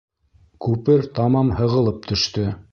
Күпер тамам һығылып төштө.